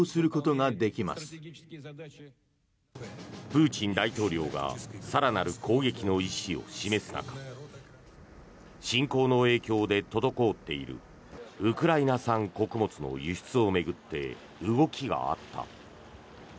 プーチン大統領が更なる攻撃の意思を示す中侵攻の影響で滞っているウクライナ産穀物の輸出を巡って動きがあった。